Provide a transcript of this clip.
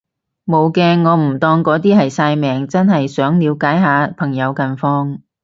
無嘅，我唔當嗰啲係曬命，真係想了解下朋友近況